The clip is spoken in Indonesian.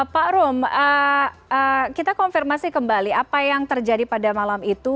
pak rum kita konfirmasi kembali apa yang terjadi pada malam itu